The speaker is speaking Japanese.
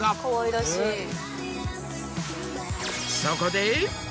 そこで。